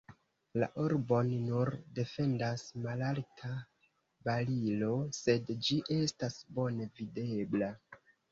La arbon nun defendas malalta barilo, sed ĝi estas bone videbla.